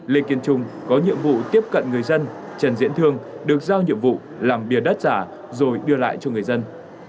lê kiên trung có nhiệm vụ tiếp cận người dân trần diễn thương được giao nhiệm vụ làm bia đất giả rồi đưa lại cho người dân